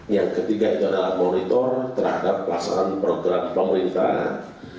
yang ketiga itu adalah monitor terhadap pelaksanaan program pemerintahan